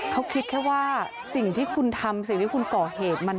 เขาคิดแค่ว่าสิ่งที่คุณทำสิ่งที่คุณก่อเหตุ